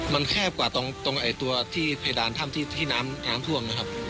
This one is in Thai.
มันแคบกว่าตรงตัวที่เพดานถ้ำที่น้ำท่วมนะครับ